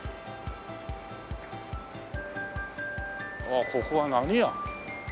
ああここは何屋？